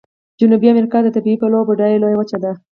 جنوبي امریکا د طبیعي پلوه بډایه لویه وچه ده.